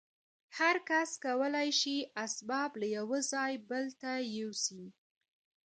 هر کس کولای شي اسباب له یوه ځای بل ته یوسي